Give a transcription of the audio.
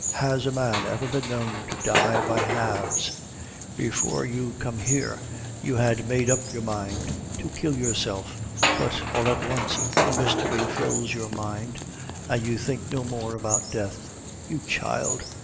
Has a man ever been known to die by halves? Before you came here, you had made up your mind to kill yourself, but all at once a mystery fills your mind, and you think no more about death. You child!